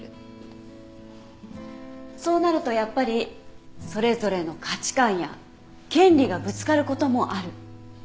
そうなるとやっぱりそれぞれの価値観や権利がぶつかることもある。